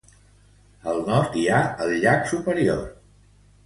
Al nord hi ha el llac Superior.